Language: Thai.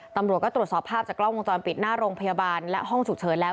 ตำรวจก็ตรวจสอบภาพจากกล้องวงจรปิดหน้าโรงพยาบาลและห้องฉุกเฉินแล้ว